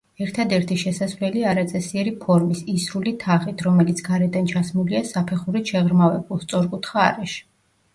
ერთადერთი შესასვლელი არაწესიერი ფორმის, ისრული თაღით, რომლიც გარედან ჩასმულია საფეხურით შეღრმავებულ, სწორკუთხა არეში.